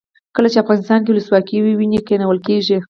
کله چې افغانستان کې ولسواکي وي ونې کینول کیږي.